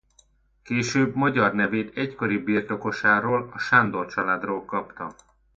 Később magyar nevét egykori birtokosáról a Sándor családról kapta.